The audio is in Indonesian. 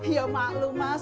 ya maklum mas